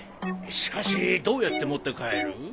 しかしどうやって持って帰る？